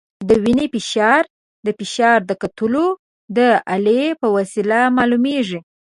د وینې فشار د فشار د کتلو د الې په وسیله معلومېږي.